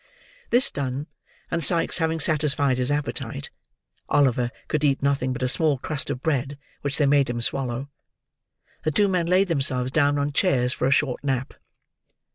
This done, and Sikes having satisfied his appetite (Oliver could eat nothing but a small crust of bread which they made him swallow), the two men laid themselves down on chairs for a short nap.